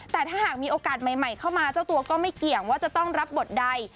แต่ถ้าหากมีโอกาสใหม่เข้ามาเจ้าตัวก็ไม่เกี่ยงว่าจะต้องรับบทใด